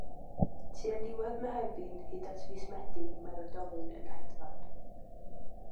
Tua diwedd Mehefin hyd at fis Medi mae'r oedolyn yn hedfan.